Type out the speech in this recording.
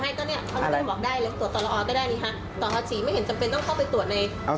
ได้นี่ฮะต่อฮาศีไม่เห็นจำเป็นต้องเข้าไปตรวจในเอา